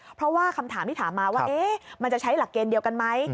เพราะว่าคำถามที่ถามมาว่ามันจะใช้หลักเกณฑ์เดียวกันไหม